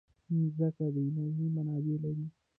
مځکه د انرژۍ منابع لري.